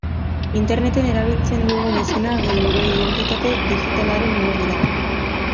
Interneten erabiltzen dugun izena geure identitate digitalaren oinarri da.